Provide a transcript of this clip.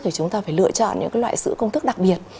thì chúng ta phải lựa chọn những loại sữa công thức đặc biệt